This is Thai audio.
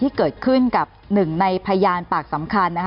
ที่เกิดขึ้นกับหนึ่งในพยานปากสำคัญ